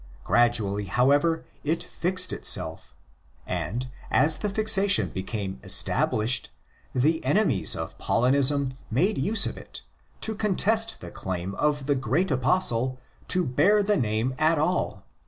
Gradually, however, it fixed itself; and, as the fixation became established, the enemies of Paulinism made use of it to contest the claim of the great Apostle to bear the name atall.